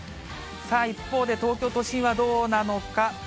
さあ、一方で、東京都心はどうなのか。